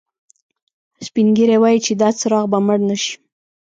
سپین ږیری وایي چې دا څراغ به مړ نه شي